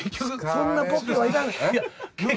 そんなボケはいらない。